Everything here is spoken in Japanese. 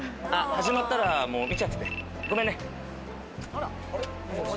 始まったらもう見ちゃってて、ごめんね。